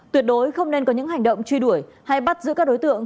tuyệt đối không nên có những hành động truy đuổi hay bắt giữ các đối tượng